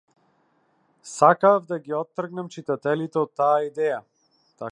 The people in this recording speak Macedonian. Сакаав да ги оттргнам читателите од таа идеја.